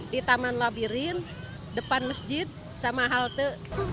di taman labirin depan masjid sama halte